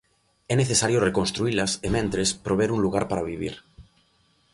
É necesario reconstruílas e, mentres, prover un lugar para vivir.